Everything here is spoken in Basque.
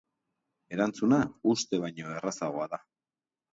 Erantzuna uste baino errazagoa da.